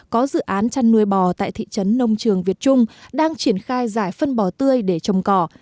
có dự án chăn nuôi bò tại thị trấn nông trường việt trung đang triển khai giải phân bò tươi để trồng cỏ